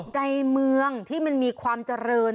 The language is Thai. ในเมืองที่มันมีความเจริญ